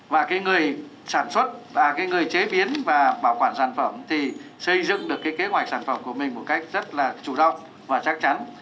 và cái người sản xuất và cái người chế biến và bảo quản sản phẩm thì xây dựng được cái kế hoạch sản phẩm của mình một cách rất là chủ động và chắc chắn